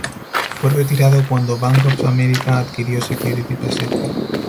Fue retirado cuando Bank of America adquirió Security Pacific.